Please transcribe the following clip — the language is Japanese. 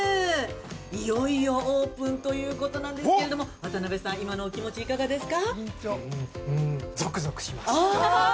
いよいよオープンということなんですけれども渡辺さん、今のお気持ちいかがですか。